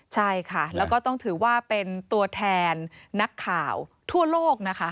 ใช่ค่ะแล้วก็ต้องถือว่าเป็นตัวแทนนักข่าวทั่วโลกนะคะ